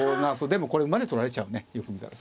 でもこれ馬で取られちゃうねよく見たら。